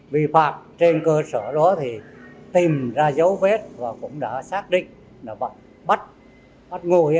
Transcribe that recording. vi phạm trên cơ sở đó thì tìm ra dấu vết và cũng đã xác định là bắt bắt ngồi